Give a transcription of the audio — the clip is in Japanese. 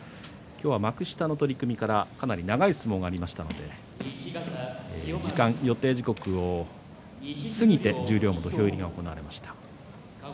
今日は幕下の取組からかなり長い相撲がありましたので予定時刻を過ぎて十両の土俵入りが行われました。